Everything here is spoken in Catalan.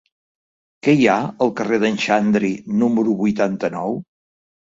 Què hi ha al carrer d'en Xandri número vuitanta-nou?